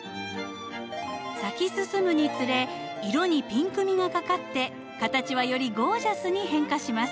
咲き進むにつれ色にピンクみがかかって形はよりゴージャスに変化します。